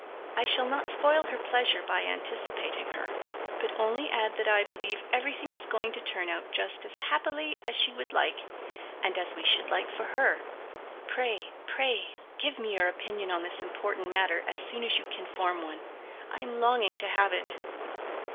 I shall not spoil her pleasure by anticipating her, but only add that I believe everything is going to turn out just as happily as she would like and as we should like for her. Pray, pray, give me your opinion on this important matter as soon as you can form one. I am longing to have it."